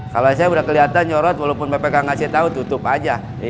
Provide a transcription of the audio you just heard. kalau saya udah kelihatan nyorot walaupun bpk ngasih tahu tutup aja